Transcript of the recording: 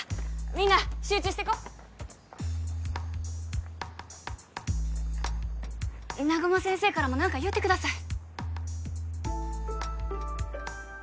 みんな集中してこ南雲先生からも何か言うてください